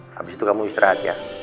habis itu kamu istirahat ya